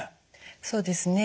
そうですね。